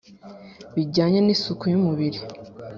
bijyanye n’isuku y’umubiri,